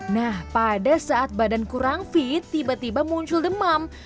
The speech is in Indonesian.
nah pada saat badan kurang fit tiba tiba muncul demam